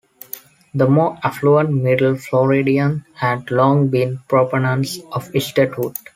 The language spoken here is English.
The more affluent Middle Floridians had long been proponents of statehood.